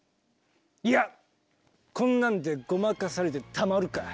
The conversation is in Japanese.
いやこんなんでごまかされてたまるか。